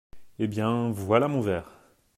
Eh bien, voilà mon ver !…